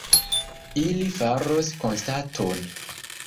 Ili faros konstaton.